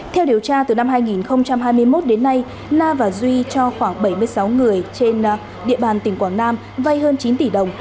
theo điều tra từ năm hai nghìn hai mươi một đến nay na và duy cho khoảng bảy mươi sáu người trên địa bàn tỉnh quảng nam vay hơn chín tỷ đồng